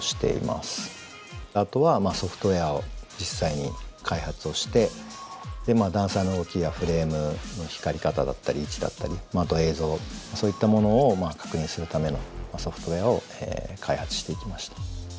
あとはソフトウエアを実際に開発をしてダンサーの動きやフレームの光り方だったり位置だったりあと映像そういったものを確認するためのソフトウエアを開発していきました。